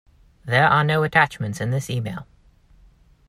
There are no attachments in this email.